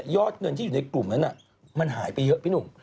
เงินที่อยู่ในกลุ่มนั้นมันหายไปเยอะพี่หนุ่ม